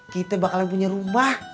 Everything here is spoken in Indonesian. kita bakalan punya rumah